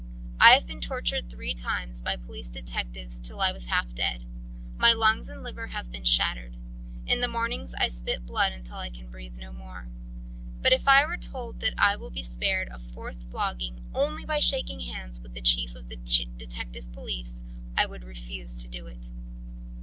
I have been tortured three times by police detectives till I was half dead. My lungs and liver have been shattered. In the mornings I spit blood until I can breathe no more. But if I were told that I will be spared a fourth flogging only by shaking hands with a chief of the detective police, I would refuse to do it!